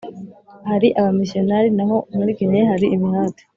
hari abamisiyonari naho muri Gineya hari Imihati